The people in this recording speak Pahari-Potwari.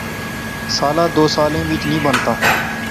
سالا دو سالیں وچ نی بنتا